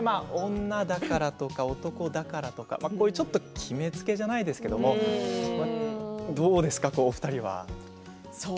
女だから男だからという決めつけじゃないですけれどもどうですか、お二人は。